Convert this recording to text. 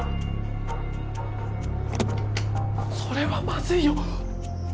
それはまずいよ。